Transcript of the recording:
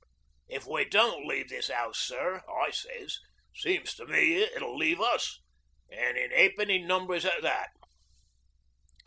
'"If we don't leave this 'ouse, sir," I sez, "seems to me it'll leave us an' in ha'penny numbers at that."